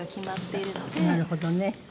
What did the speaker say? なるほどね。